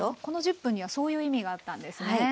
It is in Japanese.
この１０分にはそういう意味があったんですね。